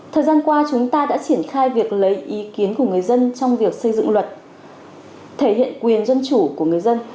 thời gian qua chúng ta đã triển khai việc lấy ý kiến của người dân trong việc xây dựng luật thể hiện quyền dân chủ của người dân